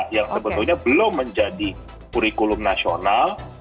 yang sebetulnya belum menjadi kurikulum nasional